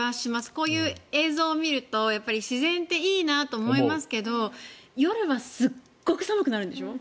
こういう映像を見ると自然っていいなと思いますけど夜はすごく寒くなるんでしょう？